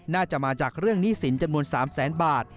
น่าจะมาจากเรื่องหนี้สินจำนวน๓แสนบาท